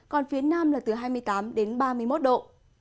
còn phía nam là từ hai mươi tám đến ba mươi một độ